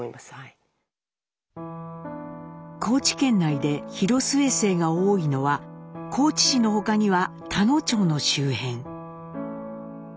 高知県内で広末姓が多いのは高知市の他には田野町の周辺。